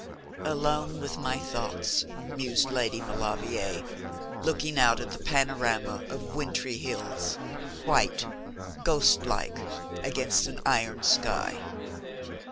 'Alone with my thoughts,' mused Lady Maulevrier, looking out at the panorama of wintry hills, white, ghost like against an iron sky.